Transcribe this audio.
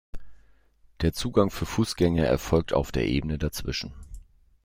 Der Zugang für Fußgänger erfolgt auf der Ebene dazwischen.